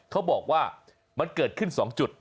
เขาบอกว่ามันเกิดขึ้น๒จุด